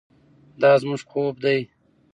دا زموږ خوب دی.